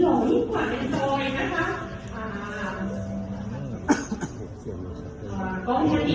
หรือเซด